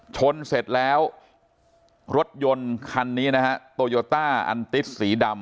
ชนเสร็จแล้วรถยนต์คันนี้นะฮะโตโยต้าอันติสสีดำ